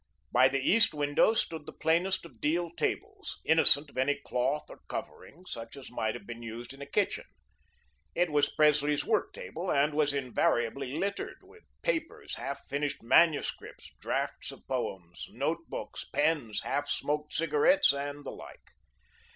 By the east window stood the plainest of deal tables, innocent of any cloth or covering, such as might have been used in a kitchen. It was Presley's work table, and was invariably littered with papers, half finished manuscripts, drafts of poems, notebooks, pens, half smoked cigarettes, and the like.